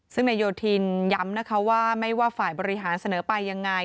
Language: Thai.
ซึ่งนายโยธินย้ำนะคะว่าไม่ว่าฝ่ายบริหารเสนอไปยังไง